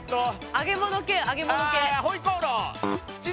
揚げ物系揚げ物系。